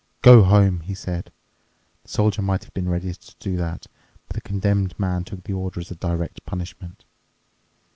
"Go home," he said. The Soldier might have been ready to do that, but the Condemned Man took the order as a direct punishment.